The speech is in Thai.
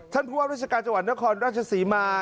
ท่านผู้ว่าราชการจังหวัดนครราชศรีมา